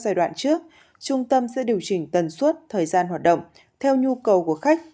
giai đoạn trước trung tâm sẽ điều chỉnh tần suất thời gian hoạt động theo nhu cầu của khách